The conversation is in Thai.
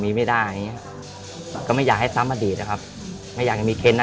ผมคิดว่ามันไม่อยากให้เกิดอีกแล้วไม่อยากให้เกิดอ่ะ